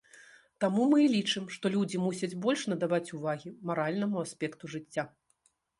Таму мы і лічым, што людзі мусяць больш надаваць увагі маральнаму аспекту жыцця.